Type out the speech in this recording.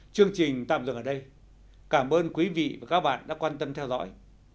chương trình tạm dừng ở đây cảm ơn quý vị và các bạn đã quan tâm theo dõi